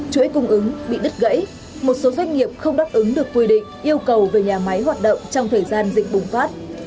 chuỗi cung ứng bị đứt gãy một số doanh nghiệp không đáp ứng được quy định yêu cầu về nhà máy hoạt động trong thời gian dịch bùng phát